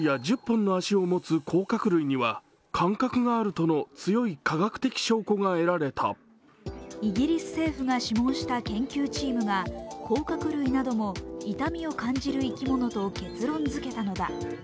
その理由はイギリス政府が諮問した研究チームが甲殻類なども痛みを感じる生き物と結論づけたのだ。